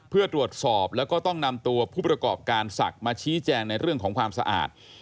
เพื่อตรวจสอบแล้วก็ต้องนำตัวผู้ประกอบการศักดิ์มาชี้แจงในเรื่องของความสะอาด